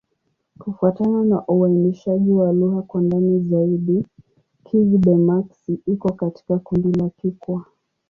Kufuatana na uainishaji wa lugha kwa ndani zaidi, Kigbe-Maxi iko katika kundi la Kikwa.